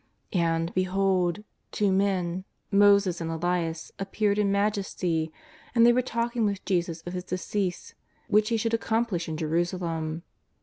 And, behold ! two men, Moses and Elias, appeared in majesty, and they were talking with Jesus of His de cease which He should accomplish in Jerusalem.